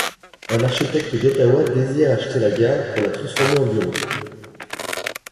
Un architecte d'Ottawa désire acheter la gare pour la transformer en bureaux.